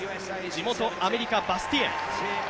地元・アメリカのバスティエン。